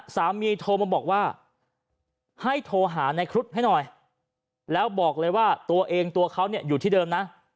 โทรมาบอกว่าให้โทรหาในครุฑให้หน่อยแล้วบอกเลยว่าตัวเองตัวเขาเนี่ยอยู่ที่เดิมนะ